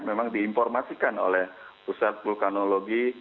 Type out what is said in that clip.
memang diinformasikan oleh pusat vulkanologi